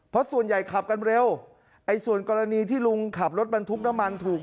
เพราะส่วนใหญ่ขับกันเร็วไอ้ส่วนกรณีที่ลุงขับรถบรรทุกน้ำมันถูก